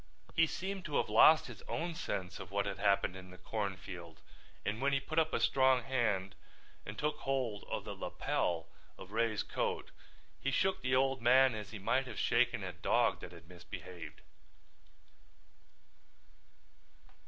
He seemed to have lost his own sense of what had happened in the corn field and when he put up a strong hand and took hold of the lapel of Ray's coat he shook the old man as he might have shaken a dog that had misbehaved.